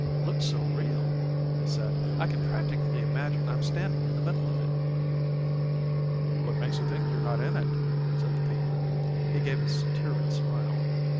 "Looks so real," he said, "I can practically imagine I'm standing in the middle of it." "What makes you think you're not in it?" said the painter. He gave a satiric smile.